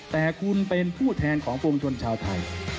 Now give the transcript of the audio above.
แต่คุณเป็นผู้แทนของปวงชนชาวไทย